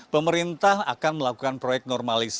pemerintah akan melakukan proyek normalisasi